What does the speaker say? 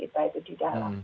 sebenarnya gemuk gitu ya